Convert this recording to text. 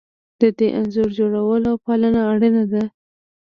د دې انځور جوړول او پالنه اړینه ده.